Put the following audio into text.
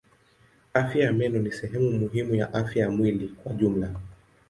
Afya ya meno ni sehemu muhimu ya afya ya mwili kwa jumla.